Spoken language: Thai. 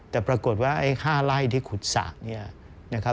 แต่ปรากฏว่าไอ้ค่าไล่ที่ขุดสัก